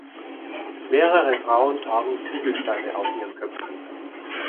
Mehrere Frauen tragen Ziegelsteine auf ihren Köpfen.